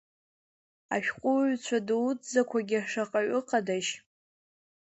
Ашәҟәыҩҩцәа дуӡӡақәагьы шаҟаҩ ыҟадашь?